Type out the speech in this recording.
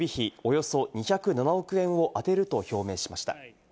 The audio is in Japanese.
およそ２０７億円を充てると表明しました。